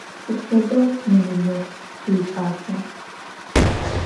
Sıd fedeu melılır vuiç'asa?